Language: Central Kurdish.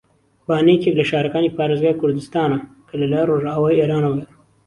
بانە یەکێک لە شارەکانی پارێزگای کوردستانە کە لە لای ڕۆژئاوای ئێرانەوەیە